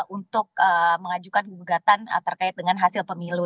untuk mengajukan gugatan terkait dengan hasil pemilu